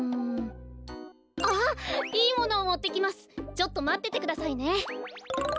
ちょっとまっててくださいね。